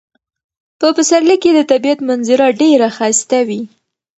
په پسرلي کې د طبیعت منظره ډیره ښایسته وي.